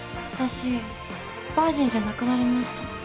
私バージンじゃなくなりました。